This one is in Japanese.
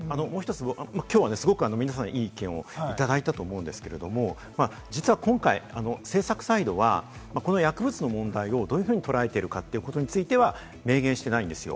きょうはすごく皆さん、いい意見をいただいたと思うんですけれども、実は今回、制作サイドは、この薬物の問題をどういうふうに捉えてるかということについては明言してないんですよ。